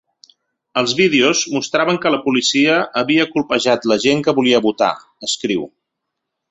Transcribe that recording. Els vídeos mostraven que la policia havia colpejat la gent que volia votar, escriu.